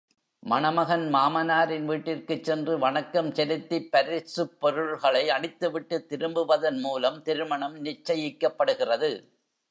மணமகன் மாமனாரின் வீட்டிற்குச் சென்று, வணக்கம் செலுத்திப் பரிசுப் பொருள்களை அளித்துவிட்டுத் திரும்புவதன் மூலம் திருமணம் நிச்சயிக்கப்படுகிறது.